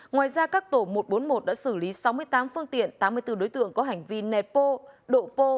ngoài ra các tổ một trăm bốn mươi một đã xử lý sáu mươi tám phương tiện tám mươi bốn đối tượng có hành vi nẹt pô độ pô